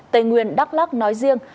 tây nguyên đắk lắc nói riêng